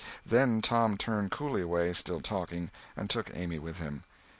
Then Tom turned coolly away, still talking, and took Amy with him.